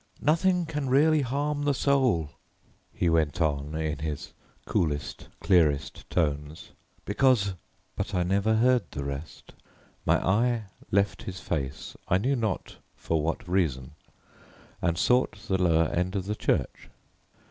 "Nothing can really harm the soul," he went on, in, his coolest, clearest tones, "because " But I never heard the rest; my eye left his face, I knew not for what reason, and sought the lower end of the church.